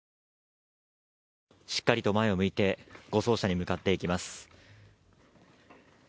しっかりと前を向いて護送車へ向かっていきます。